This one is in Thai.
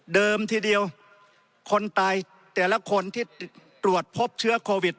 ทีเดียวคนตายแต่ละคนที่ตรวจพบเชื้อโควิด